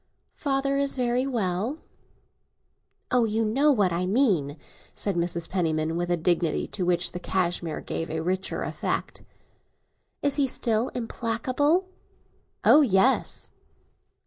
"Father is very well." "Ah, you know what I mean," said Mrs. Penniman, with a dignity to which the cashmere gave a richer effect. "Is he still implacable!" "Oh yes!"